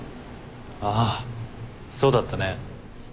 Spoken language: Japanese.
ああそうだったね。